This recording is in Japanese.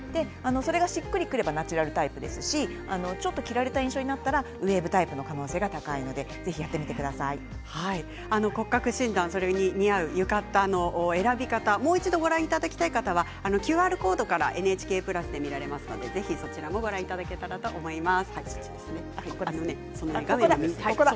それがしっくりくればナチュラルタイプですしちょっと着られた印象になればウエーブタイプの可能性が高いので骨格診断とそれに似合う浴衣の選び方、もう一度ご覧いただきたい方はＱＲコードからＮＨＫプラスでご覧いただけます。